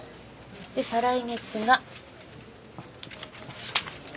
で再来月が。